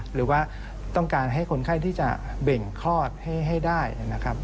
หรือว่าต้องการให้คนไข้ที่จะเบ่งคลอดให้ได้นะครับ